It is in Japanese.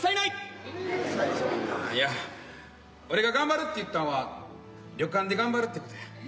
あっいや俺が頑張るって言ったんは旅館で頑張るってことや。